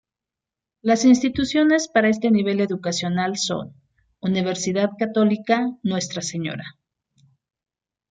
La Instituciones para este nivel educacional son: Universidad Católica "Nuestra Sra.